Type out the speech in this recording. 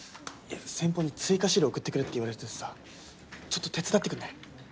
先方に追加資料送ってくれって言われててさちょっと手伝ってくんない？